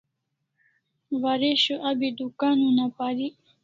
Waresho abi dukan una parik